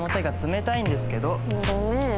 ごめん。